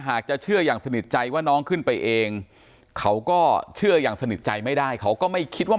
จะเชื่ออย่างสนิทใจว่าน้องขึ้นไปเองเขาก็เชื่ออย่างสนิทใจไม่ได้เขาก็ไม่คิดว่า